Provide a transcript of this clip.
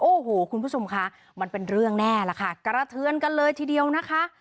โอ้โหคุณผู้ชมคะมันเป็นเรื่องแน่ล่ะค่ะกระเทือนกันเลยทีเดียวนะคะ